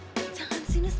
papa jangan sinis